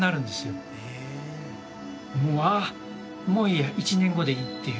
もうああもういいや１年後でいいっていう。